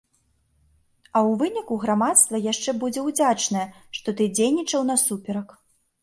А ў выніку грамадства яшчэ будзе ўдзячнае, што ты дзейнічаў насуперак.